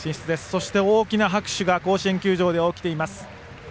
そして、大きな拍手が甲子園で起きています。